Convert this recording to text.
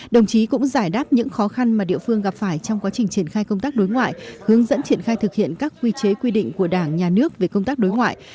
đồng chí cũng giải đáp những khó khăn mà địa phương gặp phải trong quá trình triển khai công tác đối ngoại hướng dẫn triển khai thực hiện các quy chế quy định của đảng nhà nước về công tác đối ngoại